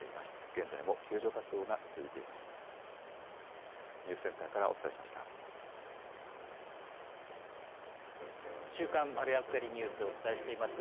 現在も救助活動が続いています。